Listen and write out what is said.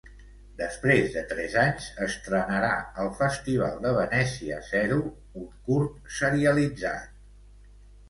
Després de tres anys, estrenarà al Festival de Venècia “Zero”, un curt serialitzat.